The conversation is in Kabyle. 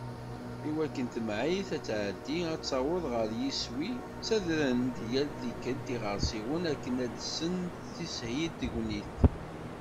I wakken tamεayt ad tεeddi, ad taweḍ γer yiswi, ttadren-d yal tikkelt iγersiwen akken ad sen-tishil tegnit.